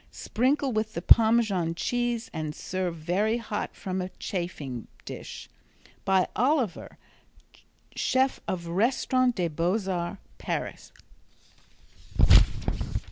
Sprinkle with the Parmesan cheese and serve very hot from a chafing dish. (By Oliver, chef of the Restaurant des Beaux Arts, Paris.)